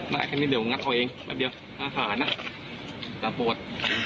น่ะแค่นี้เดี๋ยวงัดเอาเองแป๊บเดียวน่าขาดน่ะแต่โปรด